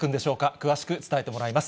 詳しく伝えてもらいます。